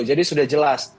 jadi sudah jelas